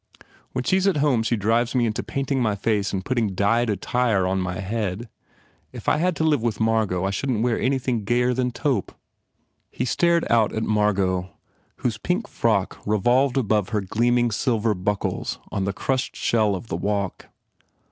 When she s at home she drives me into painting my face and putting dyed attire on 94 PENALTIES my head. If I had to live with Margot I shouldn t wear anything gayer than taupe." He stared out at Margot whose pink frock re volved above her gleaming silver buckles on the crushed shell of the walk.